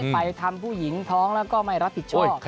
ไปทำผู้หญิงท้องแล้วก็ไม่รับผิดชอบ